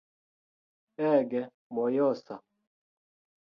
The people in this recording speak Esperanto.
Ege mojosa